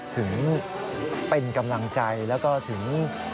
ถึงเป็นกำลังใจแล้วก็ถึง